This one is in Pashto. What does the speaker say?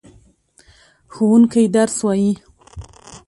ښوونکی درس وايي.